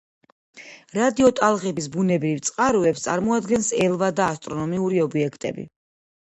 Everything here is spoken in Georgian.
რადიოტალღების ბუნებრივ წყაროებს წარმოადგენს ელვა და ასტრონომიური ობიექტები.